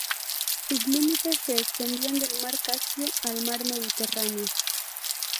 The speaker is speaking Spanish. Sus límites se extendían del mar Caspio al mar Mediterráneo.